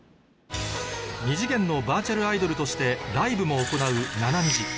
２次元のバーチャルアイドルとしてライブも行うナナニジ